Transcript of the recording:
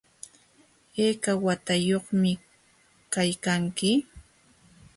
¿Hayka watayuqmi kaykanki?